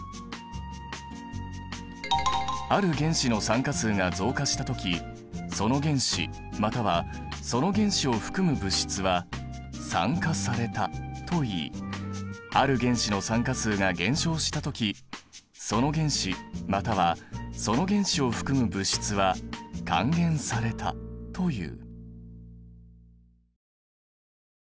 ある原子の酸化数が増加した時その原子またはその原子を含む物質は酸化されたといいある原子の酸化数が減少した時その原子またはその原子を含む物質は還元されたという。